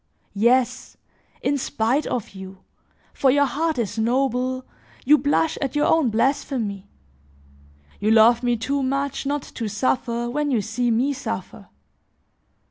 Yes, in spite of you, for your heart is noble, you blush at your own blasphemy; you love me too much not to suffer when you see me suffer.